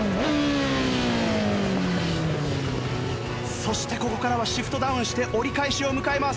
そしてここからはシフトダウンして折り返しを迎えます。